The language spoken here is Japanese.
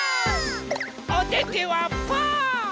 おててはパー。